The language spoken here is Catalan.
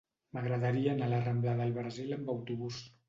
M'agradaria anar a la rambla del Brasil amb autobús.